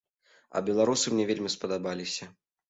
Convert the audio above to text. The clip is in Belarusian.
А беларусы мне вельмі спадабаліся.